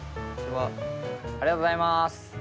ありがとうございます。